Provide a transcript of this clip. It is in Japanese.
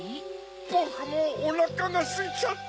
ボクもうおなかがすいちゃって。